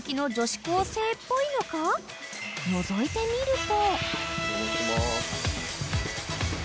［のぞいてみると］